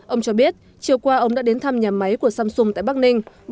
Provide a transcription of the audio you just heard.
ông cho biết chiều qua ông đã đến thăm nhà máy của samsung tại bắc ninh